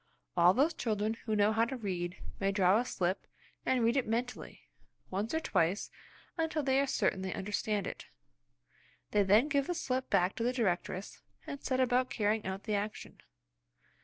All those children who know how to read may draw a slip, and read it mentally once or twice until they are certain they understand it. They then give the slip back to the directress and set about carrying out the action.